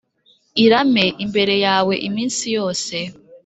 irame imbere yawe iminsi yose